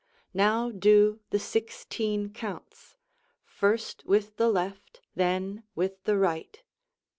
Now do the sixteen counts, first with the left, then with the right.